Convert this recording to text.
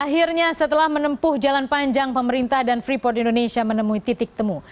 akhirnya setelah menempuh jalan panjang pemerintah dan freeport indonesia menemui titik temu